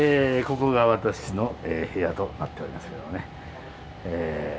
ここが私の部屋となっておりますけどもねええ。